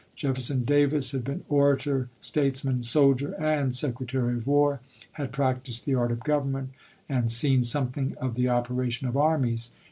Jefferson Davis had been orator, statesman, soldier, and Secretary of War; had practiced the art of government, and seen something of the operation of armies.